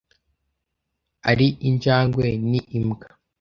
ari injangwe. Ni imbwa.